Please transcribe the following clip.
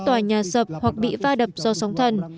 tòa nhà sập hoặc bị va đập do sóng thần